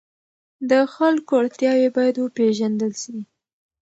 د خلکو اړتیاوې باید وپېژندل سي.